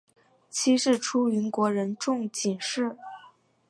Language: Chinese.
妻是出云国人众井氏。